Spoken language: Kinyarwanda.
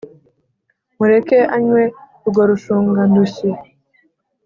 mureke anywe urwo rushungandushyi,